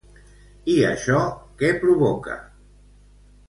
I això què provoca?